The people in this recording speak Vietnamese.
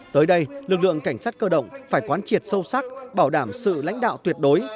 tới đây lực lượng cảnh sát cơ động phải quán triệt sâu sắc bảo đảm sự lãnh đạo tuyệt đối